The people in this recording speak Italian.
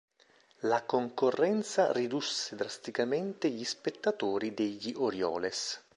La concorrenza ridusse drasticamente gli spettatori degli Orioles.